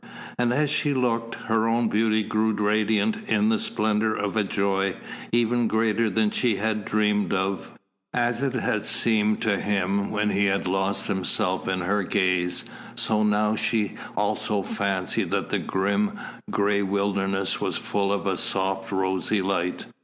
And as she looked, her own beauty grew radiant in the splendour of a joy even greater than she had dreamed of. As it had seemed to him when he had lost himself in her gaze, so now she also fancied that the grim, gray wilderness was full of a soft rosy light.